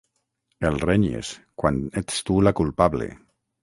El renyes, quan ets tu la culpable.